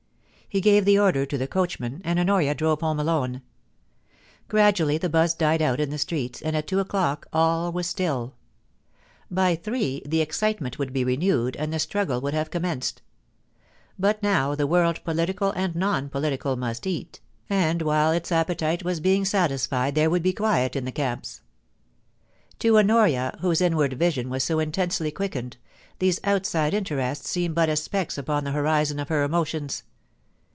He gave the order to the coachman, and Honoria drove home alone. Gradually the buzz died out in the streets, and at two o'clock all was stilL By three the excitement would be renewed, and the stni^le would have commenced ; but now the world political and non political must eat, and ivhile its appetite was being satisfied there would be quiet in the camps. To Honoria, whose inward vision was so intensely quick ened, these outside interests seemed but as specks upon the horizon of her emotions.